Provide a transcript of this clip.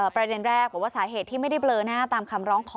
ประเด็นแรกบอกว่าสาเหตุที่ไม่ได้เบลอหน้าตามคำร้องขอ